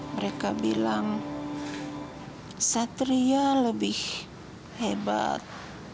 mereka bilang satria lebih hebat